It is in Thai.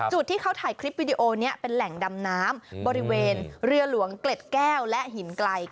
จุดที่เขาถ่ายคลิปวิดีโอนี้เป็นแหล่งดำน้ำบริเวณเรือหลวงเกล็ดแก้วและหินไกล